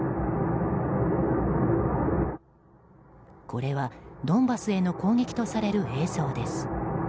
これは、ドンバスへの攻撃とされる映像です。